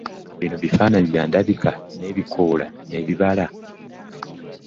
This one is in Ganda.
Bino bifaananyi bya ndabika y’ebikoola n’ebibala.